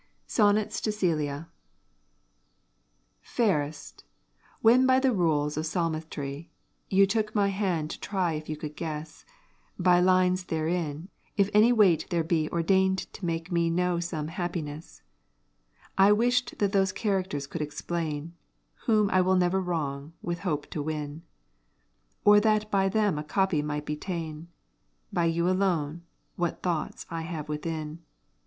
SONNETS TO CÆLIA Fairest, when by the rules of palmistry, You took my hand to try if you could guess, By lines therein, if any wight there be Ordained to make me know some happiness: I wished that those charácters could explain, Whom I will never wrong with hope to win; Or that by them a copy might be ta'en, By you alone what thoughts I have within.